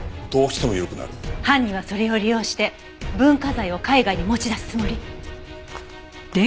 犯人はそれを利用して文化財を海外に持ち出すつもり？